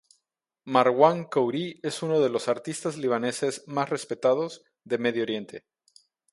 Marwan Khoury es uno de los artistas libaneses más respetados de Medio Oriente.